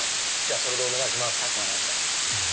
それでお願いします。